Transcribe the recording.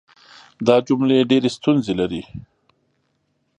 دا جملې ډېرې ستونزې لري.